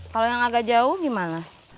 kalau yang agak jauh gimana